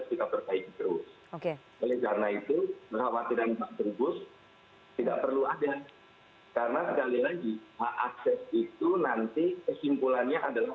iya kami sudah mengkaji ini mendalam